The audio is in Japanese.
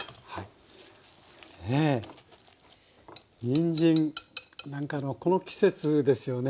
にんじん何かあのこの季節ですよね。